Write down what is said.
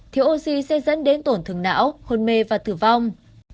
thiếu oxy sẽ dẫn đến tổn thường não hồn mê và tử vong